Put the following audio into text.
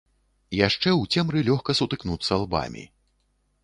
Яшчэ ў цемры лёгка сутыкнуцца лбамі.